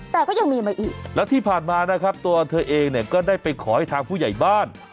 แต่ก็ยังมีมาอีกแล้วที่ผ่านมานะครับตัวเธอเองเนี่ยก็ได้ไปขอให้ทางผู้ใหญ่บ้าน